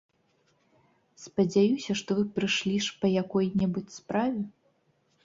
Спадзяюся, што вы прыйшлі ж па якой-небудзь справе?